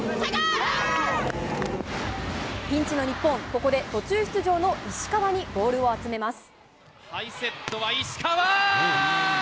ピンチの日本、ここで途中出場の石川にボールを集めます。